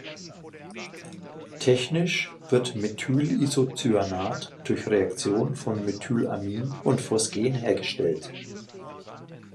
Technisch wird Methylisocyanat durch Reaktion von Methylamin und Phosgen hergestellt.